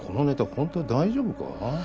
本当に大丈夫か？